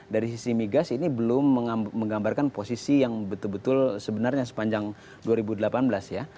dari sisi migas ini belum menggambarkan posisi yang betul betul sebenarnya sepanjang dua ribu delapan belas ya